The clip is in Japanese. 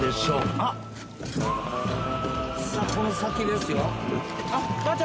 さあこの先ですよ。